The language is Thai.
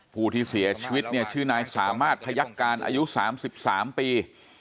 ผู้ที่เสียชีวิตเนี่ยชื่อนายสามารถพยักการอายุ๓๓ปี